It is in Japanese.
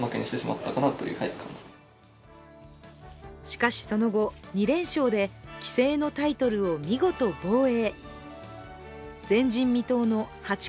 しかしその後、２連勝で棋聖のタイトルを見事防衛。